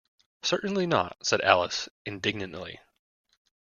‘Certainly not!’ said Alice indignantly.